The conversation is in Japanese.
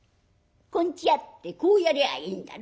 『こんちわ』ってこうやりゃいいんだろ」。